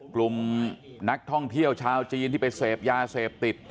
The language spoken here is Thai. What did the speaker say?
กลุ่มนักท่องเที่ยวชาวจีนที่ไปเสพยาเสพติด